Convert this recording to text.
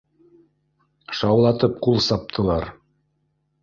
Шаулатып ҡул саптылар